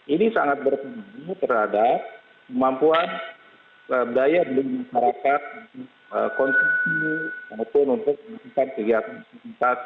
ini sangat berpengaruh terhadap kemampuan daya dikawal konsumsi untuk mencapai tiga persen